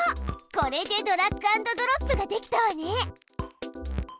これでドラッグアンドドロップができたわね。